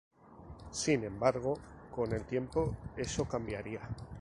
Sin embargo, con el tiempo eso cambiaría.